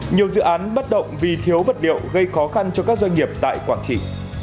nhiều dự án bất động vì thiếu bật điệu gây khó khăn cho các doanh nghiệp tại quảng trị